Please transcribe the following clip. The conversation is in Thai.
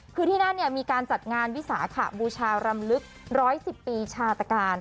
คือที่นั่นเนี่ยมีการจัดงานวิสาคบูชารำลึกร้อยสิบปีชาตการ